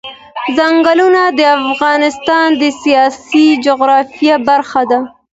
ځنګلونه د افغانستان د سیاسي جغرافیه برخه ده.